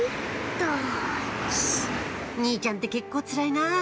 「兄ちゃんって結構つらいなぁ」